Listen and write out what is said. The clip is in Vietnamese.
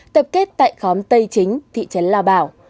tập kết tại khóm tây chính thị trấn lao bảo